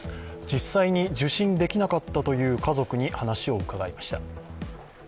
実際に受診できなかったという家族に話を伺いました。